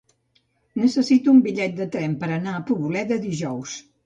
Necessito un bitllet de tren per anar a Poboleda dijous.